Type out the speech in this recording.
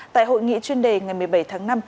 tại hội nghị chuyên đề ngày một mươi bảy tháng năm